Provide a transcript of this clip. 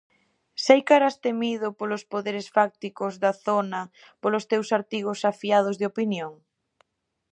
Seica eras temido polos poderes fácticos da zona polos teus artigos afiados de opinión?